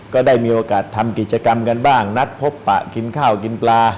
ก็ได้มีโอกาสทำกิจกรรมกันบ้างนัดพบปะกินข้าวกินปลา